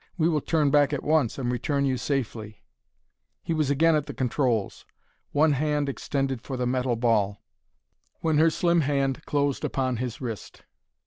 We will turn back at once, and return you safely " He was again at the controls, one hand extended for the metal ball, when her slim hand closed upon his wrist.